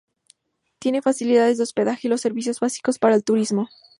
Tiene facilidades de hospedaje y los servicios básicos para el turismo.